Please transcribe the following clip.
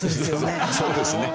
そうですね。